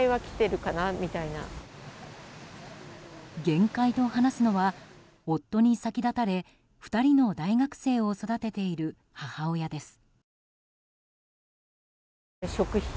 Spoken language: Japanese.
限界と話すのは夫に先立たれ２人の大学生を育てている母親です。